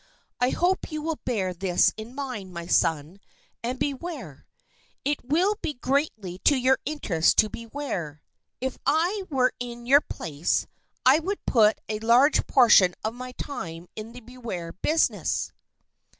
I hope you will bear this in mind, my son, and beware. It will be greatly to your interest to beware. If I were in your place I would put in a large portion of my time in the beware business."